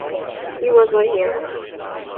He was my hero.